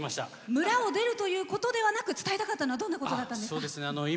村を出るということではなく伝えたかったことはどんなことだったんですか？